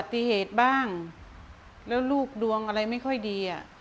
ติเหตุบ้างแล้วลูกดวงอะไรไม่ค่อยดีอ่ะ